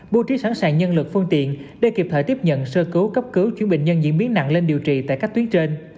bố trí sẵn sàng nhân lực phương tiện để kịp thời tiếp nhận sơ cứu cấp cứu chuyển bệnh nhân diễn biến nặng lên điều trị tại các tuyến trên